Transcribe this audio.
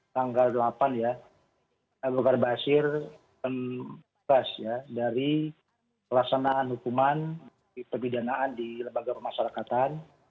tanggal delapan ya abu bakar basir bebas ya dari pelaksanaan hukuman pebidanaan di lembaga pemasarakatan